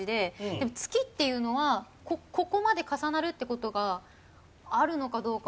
でも月っていうのはここまで重なるって事があるのかどうか。